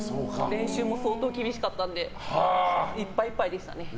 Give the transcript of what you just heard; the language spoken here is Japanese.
練習も相当厳しかったのでいっぱいいっぱいでしたね。